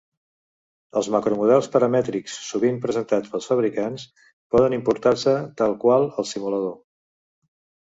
Els macromodels paramètrics, sovint presentats pels fabricants, poden importar-se tal qual al simulador.